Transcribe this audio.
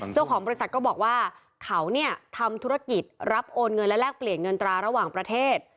เจ้าของบริษัทก็บอกว่าเขาเนี่ยทำธุรกิจรับโอนเงินและแลกเปลี่ยนเงินตราระหว่างประเทศ